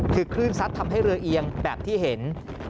คือคลื่นซัดทำให้เรือเอียงแบบที่เห็น